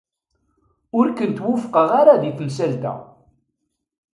Ur kent-wufqeɣ ara di temsalt-a.